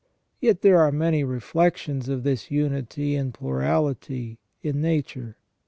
Yet there are many reflections of this unity in plurality in nature.